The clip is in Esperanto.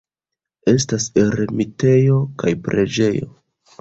Estas ermitejo kaj preĝejo.